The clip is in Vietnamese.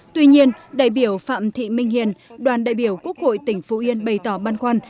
tuy nhiên đại biểu phạm thị minh hiền đoàn đại biểu quốc hội tỉnh phú yên bày tỏ băn khoăn